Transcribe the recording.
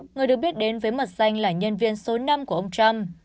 người được biết đến với mật danh là nhân viên số năm của ông trump